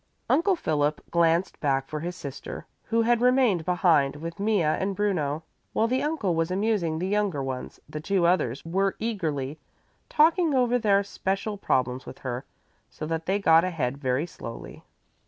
Uncle Philip glanced back for his sister, who had remained behind with Mea and Bruno. While the uncle was amusing the younger ones, the two others were eagerly talking over their special problems with her, so that they got ahead very slowly.